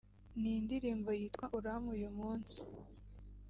ni indirimbo yitwa ’Urampa uyu munsi’